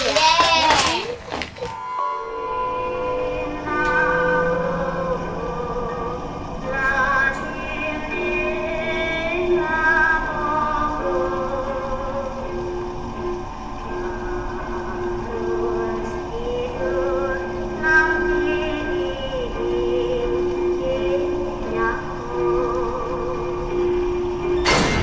dub loudu selain kuil tempat kecil ini melanjutkan